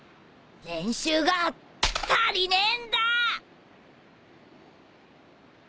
練習が足りねえんだ！